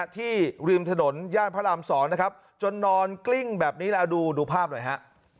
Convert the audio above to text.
ริมถนนย่านพระราม๒นะครับจนนอนกลิ้งแบบนี้แล้วดูภาพหน่อยฮะ